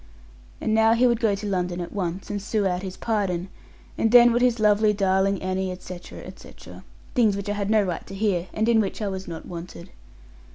And now he would go to London at once, and sue out his pardon, and then would his lovely darling Annie, etc., etc. things which I had no right to hear, and in which I was not wanted.